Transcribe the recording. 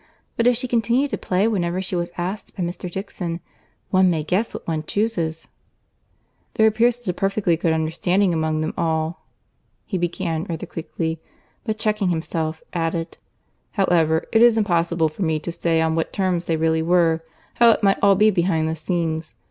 But if she continued to play whenever she was asked by Mr. Dixon, one may guess what one chuses." "There appeared such a perfectly good understanding among them all—" he began rather quickly, but checking himself, added, "however, it is impossible for me to say on what terms they really were—how it might all be behind the scenes.